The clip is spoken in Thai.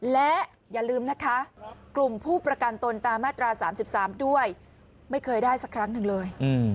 และอย่าลืมนะคะกลุ่มผู้ประกันตนตามมาตรา๓๓ด้วยไม่เคยได้สักครั้งหนึ่งเลย